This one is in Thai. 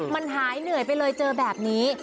มันหายเหนื่อยไปเลยเจอแบบนี้